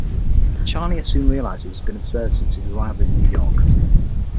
Charnier soon realizes he has been observed since his arrival in New York.